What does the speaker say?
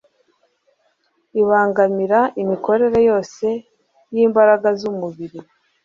ibangamira imikorere yose y’imbaraga z’umubiri.